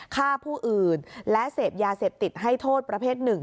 ฆ่าผู้อื่นและเสพยาเสพติดให้โทษประเภทหนึ่ง